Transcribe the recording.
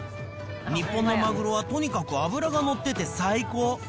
日本のマグロはとにかく脂が乗ってて最高。